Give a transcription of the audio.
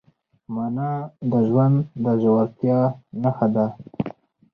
مانا د ژوند د ژورتیا نښه ده.